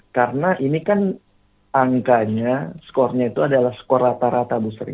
karena ini kan angkanya skornya itu adalah skor rata rata bu sri